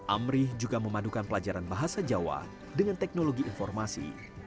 amri juga memadukan pelajaran bahasa jawa dengan teknologi informasi